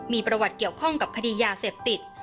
มีประวัติเกี่ยวข้องกับคดียาเสพติด